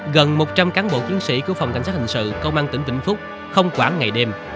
gần một trăm linh cán bộ chiến sĩ của phòng cảnh sát hình sự công an tỉnh vĩnh phúc không quản ngày đêm